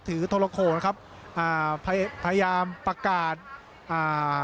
โทรโขนะครับอ่าพยายามประกาศอ่า